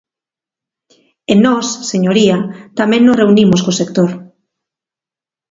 E nós, señoría, tamén nos reunimos co sector.